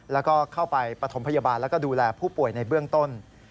แล้วก็เข้าไปปฐมพยาบาลแล้วก็ดูแลผู้ป่วยในเบื้องต้น